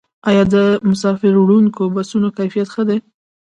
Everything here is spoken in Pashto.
آیا د مسافروړونکو بسونو کیفیت ښه دی؟